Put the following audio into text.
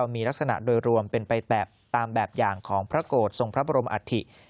มีลักษณะโดยรวมเป็นไปแบบตามแบบอย่างของพระโกรธทรงพระบรมอัฐิ